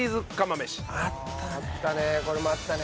あったね。